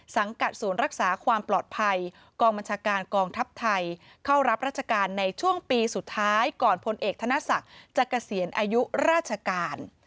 สังกัดศูนย์รักษาความปลอดภัยกองบัญชาการกองทัพไทยเข้ารับราชการในช่วงปีสุดท้ายก่อนพลเอกธนศักดิ์จะเกษียณอายุราชการ